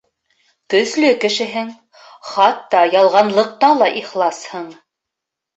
Көслө кешеһең, Хатта ялғанлыҡта ла ихласһың.